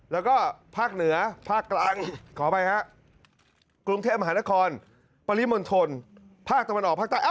แล้วก็ภาคเหนือภาคกลางขออภัยฮะกรุงเทพมหานครปริมณฑลภาคตะวันออกภาคใต้